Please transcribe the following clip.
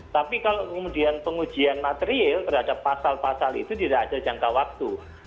tapi kalau kemudian pengujian material terhadap pasal pasal itu tidak ada jangka waktu